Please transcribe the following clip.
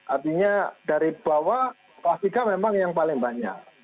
artinya dari bawah kelas tiga memang yang paling banyak